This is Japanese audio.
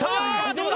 どうだ？